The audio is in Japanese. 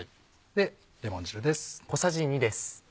レモン汁です。